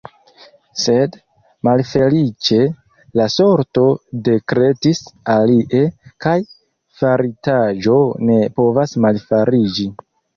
Sed, malfeliĉe, la sorto dekretis alie, kaj faritaĵo ne povas malfariĝi.